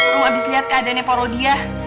rom abis liat keadaannya poro dia